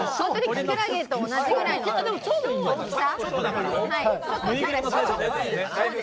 きくらげと同じぐらいの大きさ？